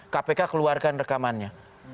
kpk keluarkan rekamannya